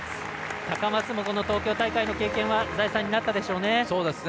高松も、この東京大会の経験は財産になったでしょうね。